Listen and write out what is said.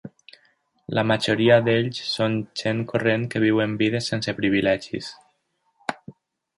La majoria d'ells són gent corrent que viuen vides sense privilegis.